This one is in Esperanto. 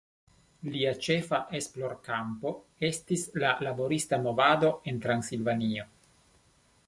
Lia ĉefa esplorkampo estis la laborista movado en Transilvanio.